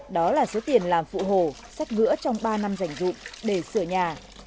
đó là số tiền làm phụ hồ sách ngựa trong ba năm dành dụng để sửa nhà